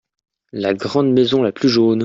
La grande maison la plus jaune.